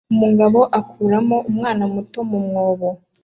Umugabo akuramo umwana muto mu mwobo